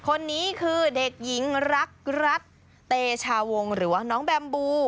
คนนี้คือเด็กหญิงรักรัฐเตชาวงหรือว่าน้องแบมบู